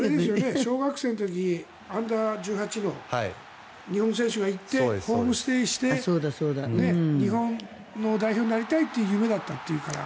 小学生の時アンダー１８の日本選手が行ってホームステイして日本の代表になりたいという夢だったというから。